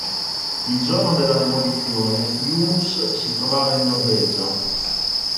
Il giorno della demolizione Yunus si trovava in Norvegia.